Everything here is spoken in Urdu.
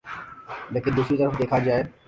لیکن دوسری طرف دیکھا جائے